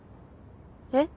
え？